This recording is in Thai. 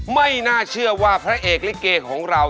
ไม่น่าเชื่อว่าพระเอกลิเกของเรา